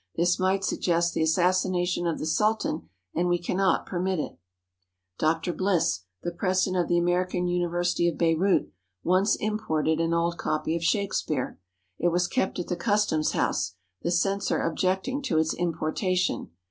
This might suggest the assassination of the Sultan, and we cannot permit it." Dr. Bliss, the president of the American University of Beirut, once imported an old copy of Shakespeare. It was kept at the customs house, the censor objecting to its importation.